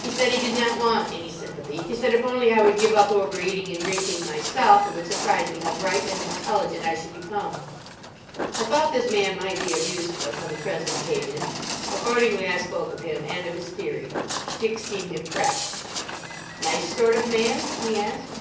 He said he did not want any sympathy. He said if only I would give up over eating and drinking myself, it would surprise me how bright and intelligent I should become. I thought this man might be of use to us on the present occasion. Accordingly I spoke of him and of his theory. Dick seemed impressed. "Nice sort of man?" he asked.